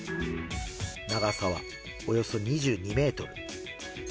長さはおよそ２２メートル。